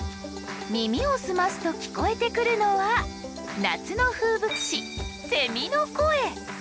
耳を澄ますと聞こえてくるのは夏の風物詩セミの声。